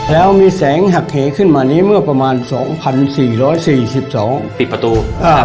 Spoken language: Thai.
แล้วมีแสงหักเหขึ้นมานี้เมื่อประมาณสองพันสี่ร้อยสี่สิบสองปิดประตูอ่า